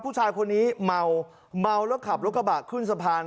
ผู้ชายคนนี้เมาเมาแล้วขับรถกระบะขึ้นสะพาน